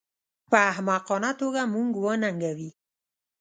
په احمقانه توګه موږ وننګوي